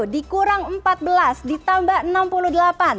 enam ratus delapan puluh tujuh dikurang empat belas ditambah enam puluh delapan